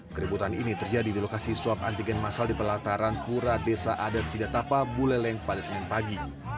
keributan ini terjadi di lokasi swab antigen masal di pelataran pura desa adat sidatapa buleleng pada senin pagi